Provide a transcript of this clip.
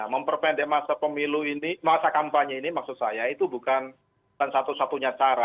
memperpendek masa kampanye ini maksud saya itu bukan satu satunya cara